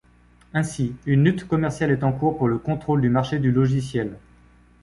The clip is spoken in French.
Ainsi, une lutte commerciale est en cours pour le contrôle du marché du logiciel.